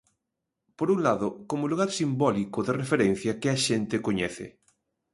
Por un lado, como lugar simbólico de referencia que a xente coñece.